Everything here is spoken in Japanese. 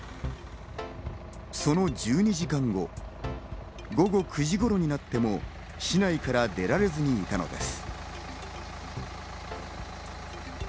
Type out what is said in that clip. その１２時間後、午後９時頃になっても市内から出られずにいたのです。